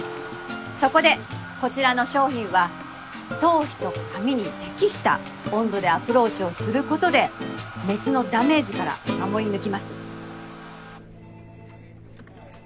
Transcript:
そこでこちらの商品は頭皮と髪に適した温度でアプローチをすることで熱のダメージから守り抜きます。